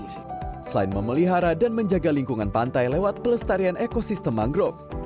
selain memelihara dan menjaga lingkungan pantai lewat pelestarian ekosistem mangrove